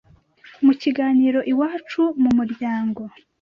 mu kiganiro Iwacu mu muryango